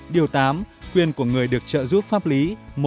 điều tám quyền của người được trợ giúp pháp lý